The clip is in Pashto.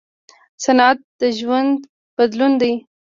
صنعت د ژوند بدلون دی.